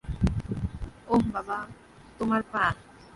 ওহ, বাবা, তোমার পা।